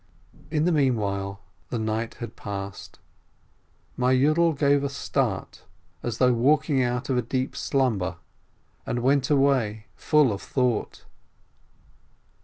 In the mean while, the night had passed. My Yiidel gave a start, as though waking out of a deep slumber, and went away full of thought.